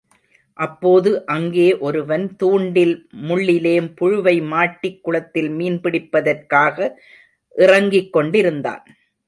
அப்போது, அங்கே ஒருவன் தூண்டில், முள்ளிலே புழுவை மாட்டிக் குளத்திலே மீன் பிடிப்பதற்காக இறங்கிக் கொண்டிருந்தான்.